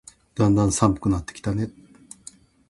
だんだん寒くなってきたね。